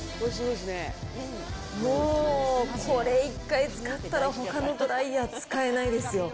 もうこれ１回使ったら、ほかのドライヤー使えないですよ。